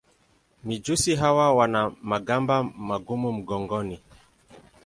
Mijusi hawa wana magamba magumu mgongoni.